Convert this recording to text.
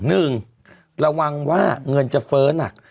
หนึ่งระวังว่าเงินจะเฟ้อหนัก